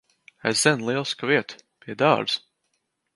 Es zinu lielisku vietu. Pie dārza.